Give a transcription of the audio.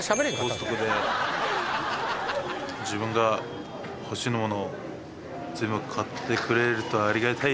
コストコで自分が欲しい物を全部買ってくれるとありがたいですね。